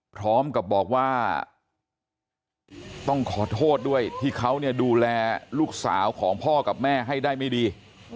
พร้อมกับบอกว่าต้องขอโทษด้วยที่เขาเนี่ยดูแลลูกสาวของพ่อกับแม่ให้ได้ไม่ดี